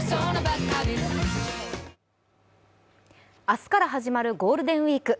明日から始まるゴールデンウイーク。